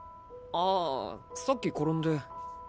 ああさっき転んで。